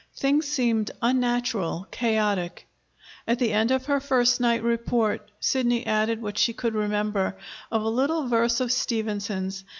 Things seemed unnatural, chaotic. At the end of her first night report Sidney added what she could remember of a little verse of Stevenson's.